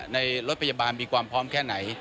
รถพยาบาลมีความพร้อมแค่ไหน